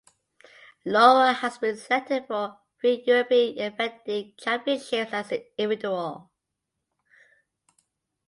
Laura has been selected for three European Eventing Championships as an individual.